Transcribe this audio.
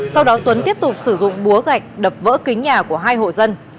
sau đó tuấn tiếp tục sử dụng búa gạch đập vỡ kính nhà của hai hộ dân